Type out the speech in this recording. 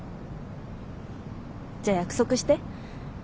じゃあ約束して。